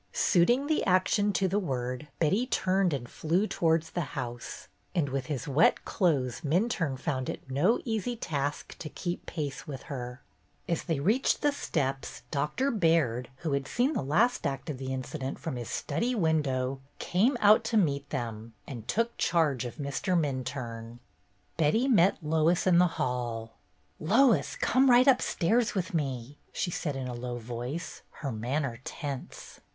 Suiting the action to the word, Betty turned and flew towards the house, and with his wet clothes Minturne found it no easy task to keep pace with her. As they reached the steps. Doctor Baird, who had seen the last act of the incident from his study window, came out to meet them and took charge of Mr. Minturne. Betty met Lois in the hall. "Lois, come right upstairs with me," she said in a low voice, her manner tense.